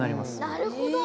なるほど！